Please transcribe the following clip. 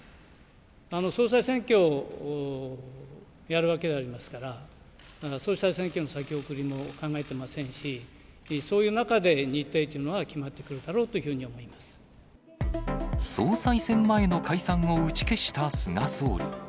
総裁選挙をやるわけでありますから、総裁選挙の先送りも考えてませんし、そういう中で、日程というのは決まってくるだろうという総裁選前の解散を打ち消した菅総理。